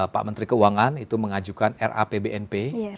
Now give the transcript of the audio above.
pak menteri keuangan itu mengajukan rapbnp